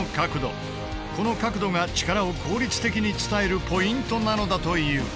この角度が力を効率的に伝えるポイントなのだという。